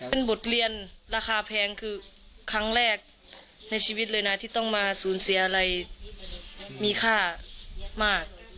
เป็นบทเรียนราคาแพงคือครั้งแรกในชีวิตเลยนะที่ต้องมาสูญเสียอะไรมีค่ามาก